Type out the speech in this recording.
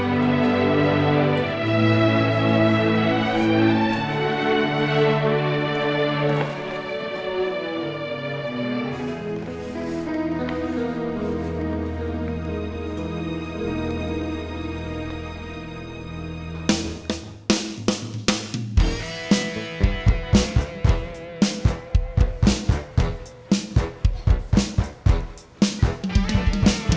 jatuh jiniper ya kak